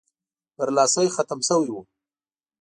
برلاسی ختم شوی وو.